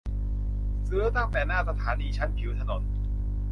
ซื้อตั้งแต่หน้าสถานีชั้นผิวถนน